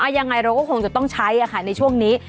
ยังไงเราก็คงจะต้องใช้ในช่วงนี้